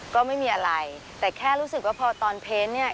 ก็ไม่มีอะไรแต่แค่รู้สึกว่าพอตอนเพ้นเนี่ย